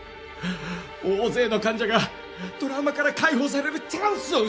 大勢の患者がトラウマから解放されるチャンスを失う。